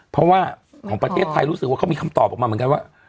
เพราะว่าของประเทศไทยรู้สึกว่าเขามีคำตอบออกมาเหมือนกันว่า